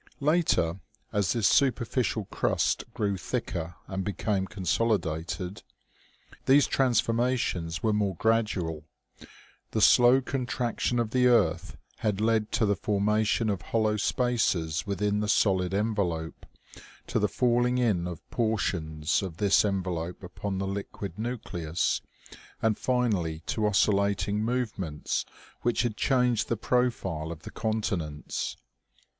Later, as this superficial crust grew thicker and became consolidated, these transformations were more gradual ; the slow contraction of the earth had led to the formation of hollow spaces within the solid envelope, to the falling in of portions of this envelope upon the liquid nucleus, and finally to oscillating movements which had changed the profile of the continents.